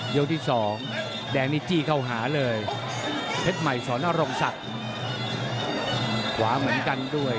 ยกที่สองแดงนิจจีเข้าหาเลยเพชรใหม่สอนอร่องศักดิ์